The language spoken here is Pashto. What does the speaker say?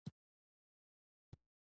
چې په سوله کې ژوند وکړي.